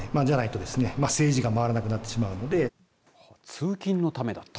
通勤のためだと。